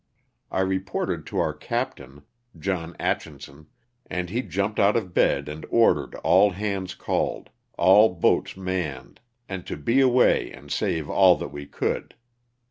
I reported to our captain, John Atchiuson, and he jumped out of bed and ordered all hands called, all boats manned and to be away and save all that we could.